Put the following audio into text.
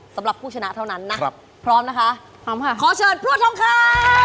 สำหรับผู้ชนะเท่านั้นนะพร้อมนะคะขอเชิญพรั่วทองคำ